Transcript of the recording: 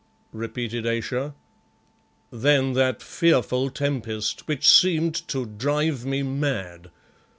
repeated Ayesha. "Then that fearful tempest, which seemed to drive me mad.